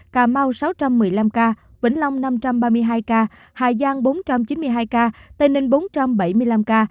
cà mau sáu trăm một mươi năm ca vĩnh long năm trăm ba mươi hai ca hà giang bốn trăm chín mươi hai ca tây ninh bốn trăm bảy mươi năm ca